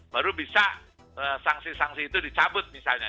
baru bisa sanksi sanksi itu dicabut misalnya